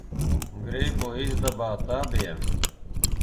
Gribu izdabāt abiem.